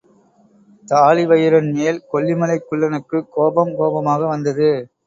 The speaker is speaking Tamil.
தாழிவயிறன் மேல் கொல்லிமலைக் குள்ளனுக்குக் கோபம் கோபமாக வந்தது.